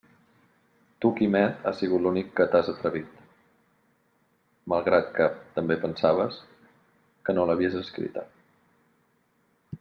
Tu, Quimet, has sigut l'únic que t'has atrevit, malgrat que també pensaves «que no l'havies escrita».